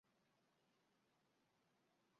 রাজ্যটির আদি নাম ছিল "মহীশূর রাজ্য"।